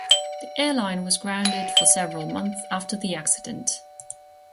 The airline was grounded for several months after the accident.